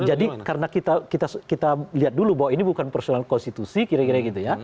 jadi karena kita lihat dulu bahwa ini bukan persoalan konstitusi